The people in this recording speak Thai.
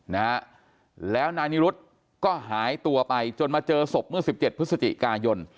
นะฮะแล้วนายนิรุธก็หายตัวไปจนมาเจอศพเมื่อสิบเจ็ดพฤศจิกายน